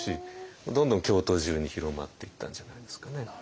どんどん京都中に広まっていったんじゃないですかね。